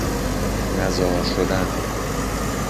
نزار شدن